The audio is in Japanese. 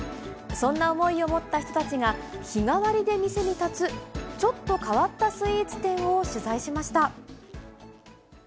そんな思いを持った人たちが、日替わりで店に立つちょっと変わったスイーツ店を取材しました。